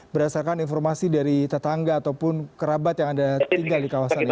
berdasarkan informasi dari tetangga ataupun kerabat yang anda tinggal di kawasan ini